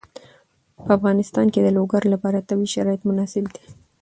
په افغانستان کې د لوگر لپاره طبیعي شرایط مناسب دي.